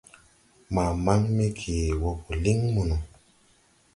Ma maŋ me ge wɔ gɔ liŋ mono.